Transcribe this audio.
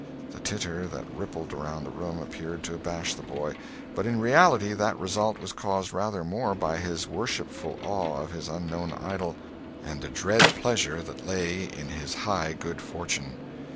The titter that rippled around the room appeared to abash the boy, but in reality that result was caused rather more by his worshipful awe of his unknown idol and the dread pleasure that lay in his high good fortune.